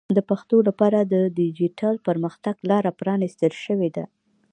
د پښتو لپاره د ډیجیټل پرمختګ لاره پرانیستل شوې ده.